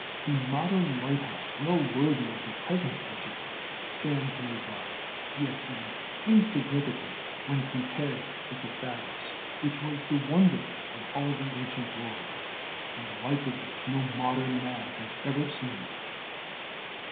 A modern light house, well worthy of the present Egypt, stands nearby, yet it is insignificant when compared with the Pharos which was the wonder of all the ancient world, and the like of which no modern man has ever seen.